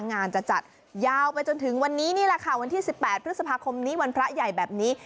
งานจะจัดยาวไปจนถึงวันนี้นี่แหละค่ะวันที่๑๘พฤษภาคมนี้วันพระใหญ่แบบนี้